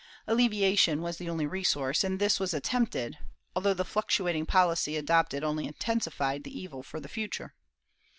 Alleviation was the only resource, and this was attempted, although the fluctuating policy adopted only intensified the evil for the future.